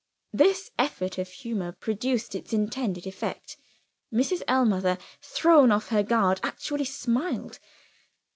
This effort of humor produced its intended effect. Mrs. Ellmother, thrown off her guard, actually smiled.